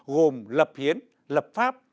gồm lập hiến lập pháp